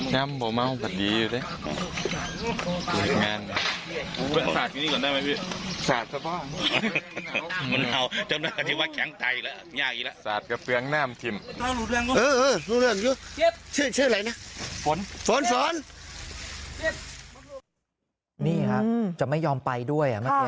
นี่ครับจะไม่ยอมไปด้วย